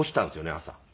朝。